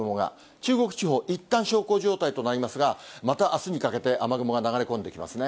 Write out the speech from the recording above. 中国地方、いったん小康状態となりますが、またあすにかけて、雨雲が流れ込んできますね。